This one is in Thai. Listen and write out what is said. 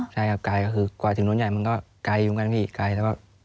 ใช่ครับไกลคือกว่าถึงรถใหญ่ก็ไกลว่ามันก็อยู่บางทีไกล